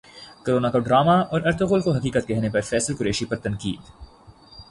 corona کو drama اور Ertugrul کو حقیقت کہنے پر فیصل قریشی پر تنقید